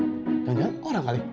jangan jangan orang kali